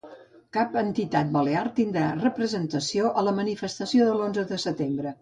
Cap entitat balear tindrà representació a la manifestació de l'Onze de Setembre